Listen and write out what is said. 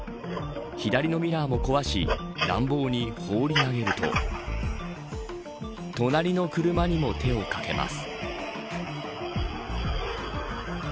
左のミラーも壊し乱暴に放り投げると隣の車にも手を掛けます。